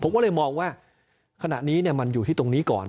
ผมก็เลยมองว่าขณะนี้มันอยู่ที่ตรงนี้ก่อน